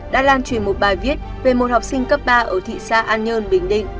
đã lan truyền một bài viết về một học sinh cấp ba ở thị xã an nhơn bình định